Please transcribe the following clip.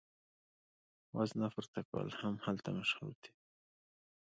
وزنه پورته کول هم هلته مشهور دي.